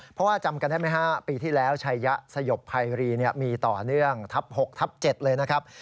เพราะว่าจำกันได้ไหมฮะปีที่แล้วชัยยะสยบภัยรีมีต่อเนื่องทับ๖ทับ๗เลยนะครับ